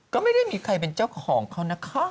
ก็ไม่ได้มีใครเป็นเจ้าของเขานะคะ